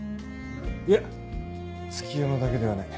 いや月夜野だけではない。